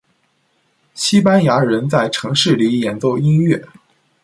西班牙人在城市里演奏音乐。